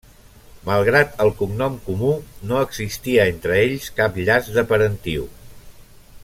Malgrat el cognom comú, no existia entre ells cap llaç de parentiu.